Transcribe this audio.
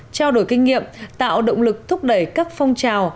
trao đổi kinh nghiệm tạo động lực thúc đẩy các phong trào